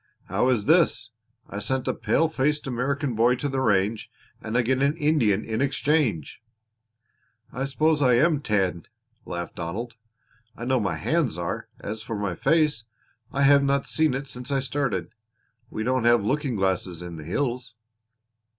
"How is this? I sent a pale faced American boy to the range and I get an Indian in exchange!" "I suppose I am tanned," laughed Donald. "I know my hands are. As for my face I have not seen it since I started. We don't have looking glasses in the hills."